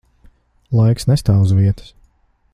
Laiks nestāv uz vietas.